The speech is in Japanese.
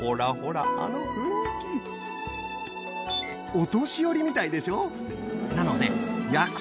お年寄りみたいでしょう？なので。